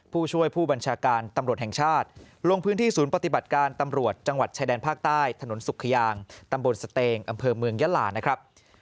ผู้ช่วยผู้บัญชาการตำรวจแห่งชาติลงพื้นที่ศูนย์ปฏิบัติการตำรวจจังหวัดชายแดนภาคใต้ถนนสุขยางตำบลสเตงอำเภอเมืองยะลานะครับ